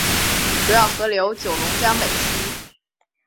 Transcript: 主要河流九龙江北溪。